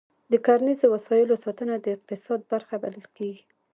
د کرنیزو وسایلو ساتنه د اقتصاد برخه بلل کېږي.